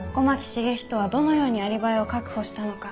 繁人はどのようにアリバイを確保したのか？